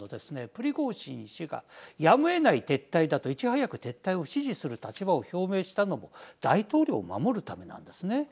プリゴジン氏がやむえない撤退だといち早く撤退を支持する立場を表明したのも大統領を守るためなんですね。